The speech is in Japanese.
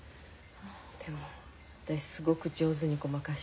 でも私すごく上手にごまかして。